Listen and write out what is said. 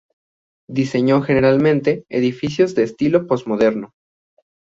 Diseñó generalmente edificios de estilo posmoderno.